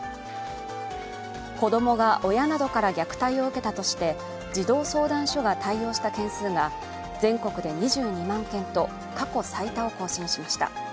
子供が親などから虐待を受けたとして児童相談所が対応した件数が、全国で２２万件と過去最多を更新しました。